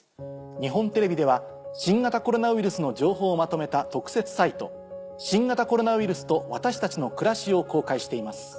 日本テレビでは新型コロナウイルスの情報をまとめた。を公開しています。